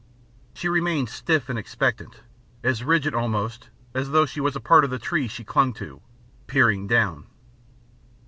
She remained stiff and expectant, as rigid almost as though she was a part of the tree she clung to, peering down.